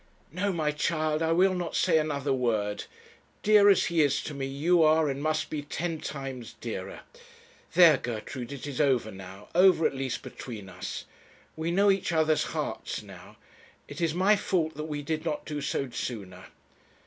'No, my child, I will not say another word. Dear as he is to me, you are and must be ten times dearer. There, Gertrude, it is over now; over at least between us. We know each other's hearts now. It is my fault that we did not do so sooner.'